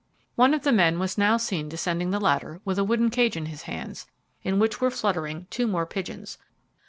One of the men was now seen descending the ladder with a wooden cage in his hands, in which were fluttering two more pigeons.